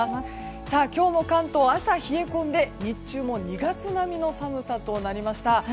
今日の関東は朝、冷え込んで日中も２月並みの寒さとなりました。